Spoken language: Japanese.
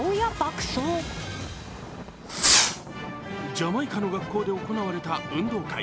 ジャマイカの学校で行われた運動会。